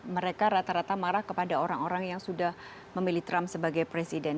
mereka rata rata marah kepada orang orang yang sudah memilih trump sebagai presiden